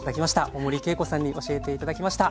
大森慶子さんに教えて頂きました。